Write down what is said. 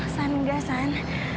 san enggak san